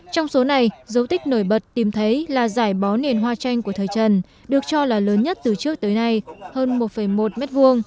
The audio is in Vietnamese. trong số này dấu tích nổi bật tìm thấy là giải bó nền hoa tranh của thời trần được cho là lớn nhất từ trước tới nay hơn một một m hai